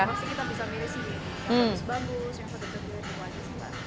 maksudnya kita bisa mirip sih yang bagus bagus yang sebagus bagus semua aja sih mbak